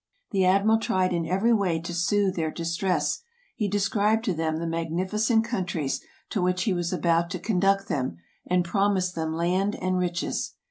The admiral tried in every way to soothe their distress, he described to them the magnificent countries to which he was about to conduct them and promised them land and riches.